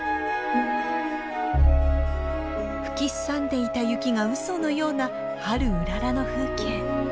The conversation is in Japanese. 吹きすさんでいた雪がうそのような春うららの風景。